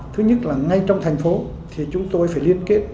thứ nhất là ngay trong thành phố thì chúng tôi phải liên kết